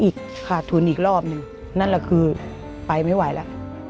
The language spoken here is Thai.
นั่นแหละคือไปไม่ไหวละ